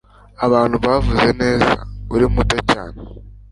abantu bavuze neza, uri muto cyane